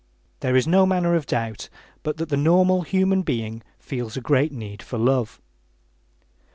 There is no manner of doubt but that the normal human being feels a great need for love.